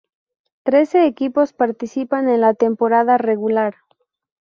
Trece equipos participan en la temporada regular.